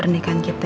wakita dan dokter